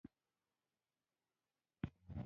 هر فایل په صفر او یو بدلېږي.